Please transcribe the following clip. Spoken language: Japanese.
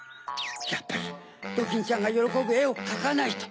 やっぱりドキンちゃんがよろこぶえをかかないと！